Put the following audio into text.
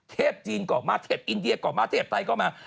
อินเดียก่อนมาถึงเทศไทยก็มา